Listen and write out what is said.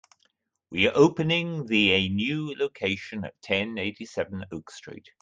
We are opening the a new location at ten eighty-seven Oak Street.